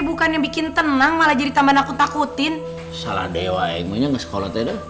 bukan yang bikin tenang malah jadi tambahan aku takutin salah dewa emonya ngeskolot ya